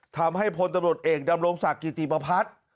ทำให้พลตำรวจเอกดำรงสักกิติปภัทร